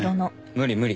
無理無理